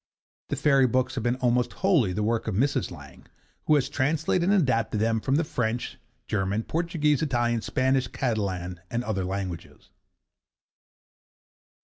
The fairy books have been almost wholly the work of Mrs. Lang, who has translated and adapted them from the French, German, Portuguese, Italian, Spanish, Catalan, and other languages.